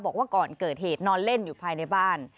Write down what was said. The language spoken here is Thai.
บอกว่าก่อนเกิดเหตุนอนเล่นอยู่ภายในบ้าน